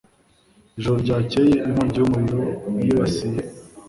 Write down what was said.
Ijoro ryakeye inkongi y'umuriro yibasiye.